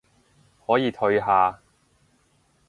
可以退下